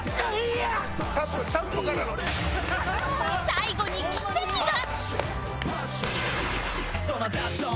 最後に奇跡が！